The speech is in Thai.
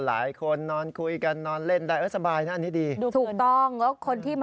อันนี้สบายนะคุณ